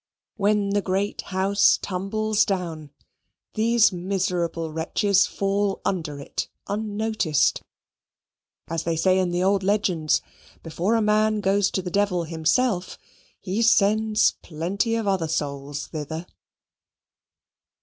When the great house tumbles down, these miserable wretches fall under it unnoticed: as they say in the old legends, before a man goes to the devil himself, he sends plenty of other souls thither.